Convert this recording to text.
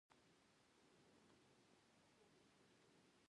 یو وخت ټوله سوېلي افریقا بېوزله وه.